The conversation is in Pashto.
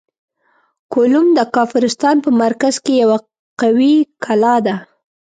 کولوم د کافرستان په مرکز کې یوه قوي کلا ده.